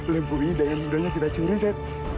lembu ini daya mudanya kita curi set